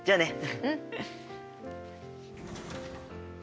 うん。